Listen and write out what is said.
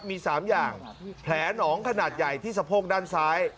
มี๓อย่างแผลหนองขนาดใหญ่ที่สะโพกด้านซ้าย